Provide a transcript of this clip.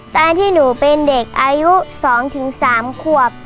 ตอนที่หนูเป็นเด็กอายุ๒๓ขวบ